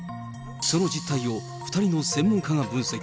その実態を２人の専門家が分析。